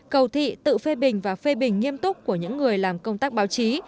cầu thị tự phê bình và phê bình nghiêm túc của những người làm công tác báo chí